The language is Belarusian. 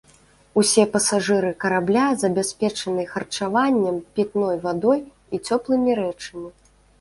Усе пасажыры карабля забяспечаныя харчаваннем, пітной вадой і цёплымі рэчамі.